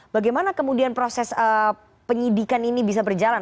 bagaimana kemudian proses penyidikan ini bisa berjalan